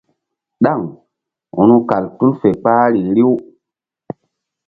Ɗaŋ ru̧kal tul fe kpahri riw.